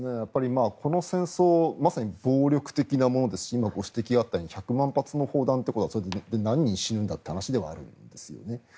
この戦争まさに暴力的なものですし今、ご指摘があったように１００万発の砲弾ということは何人死ぬんだという話ではあります。